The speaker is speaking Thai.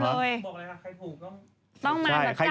บอกอะไรฮะใครถูกก็ต้องมาตั้งงานผม